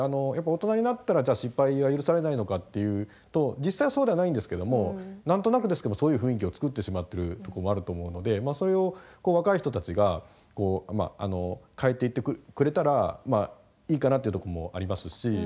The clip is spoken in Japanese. やっぱ大人になったらじゃあ失敗は許されないのかっていうと実際はそうではないんですけども何となくですけどもそういう雰囲気を作ってしまってるとこもあると思うのでそれを若い人たちがこう変えていってくれたらいいかなっていうとこもありますし。